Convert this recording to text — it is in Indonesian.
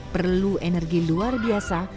perlu energi luar biasa